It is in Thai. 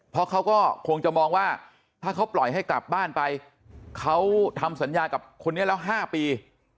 เพราะเขาก็คงจะมองว่าถ้าเขาปล่อยให้กลับบ้านไปเขาทำสัญญากับคนนี้แล้ว๕ปี